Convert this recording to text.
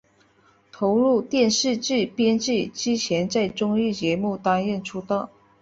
投入电视剧编剧之前在综艺节目担任出道。